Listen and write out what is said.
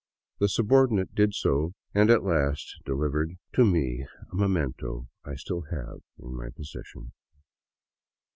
The subordinate did so and at last delivered to me a memento I still have in my possession.